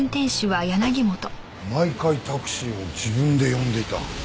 毎回タクシーを自分で呼んでいた。